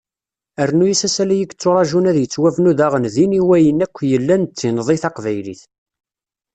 Rnu-as asalay i yetturaǧun ad yettwabnu daɣen din i wayen akk yellan d tinḍi taqbaylit.